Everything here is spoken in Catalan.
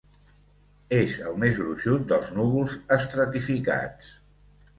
És el més gruixut dels núvols estratificats.